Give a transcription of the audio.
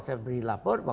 saya beri lapor